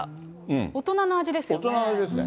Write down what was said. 大人の味ですね。